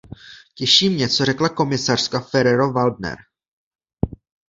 Těší mě, co řekla komisařka Ferrero-Waldner.